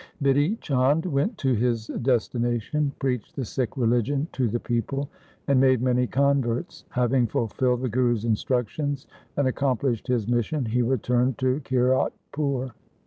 Bidhi Chand went to his destination, preached the Sikh religion to the people, and made many converts. Having fulfilled the Guru's instructions and accomplished his mission he returned to Kiratpur.